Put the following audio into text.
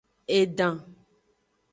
Edan.